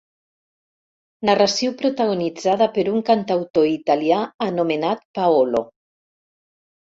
Narració protagonitzada per un cantautor italià anomenat Paolo.